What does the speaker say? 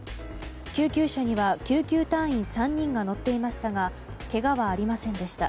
救急車には救急隊員３人が乗っていましたがけがはありませんでした。